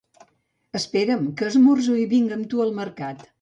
Espera'm, que esmorzo i vinc amb tu al mercat